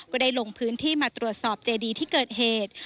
ก็ได้ลงพื้นที่มาตรวจสอบเจดีที่เกิดเหตุ